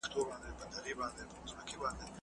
که څوک څېړونکی نه وي نو لارښود نسي کېدای.